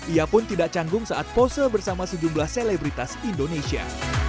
ia pun tidak canggung saat pose bersama sejumlah selebritas indonesia